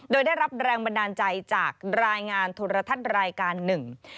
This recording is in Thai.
โดยได้รับแรงบันดาลใจจากรายงานโทรทัศน์รายการหนึ่ง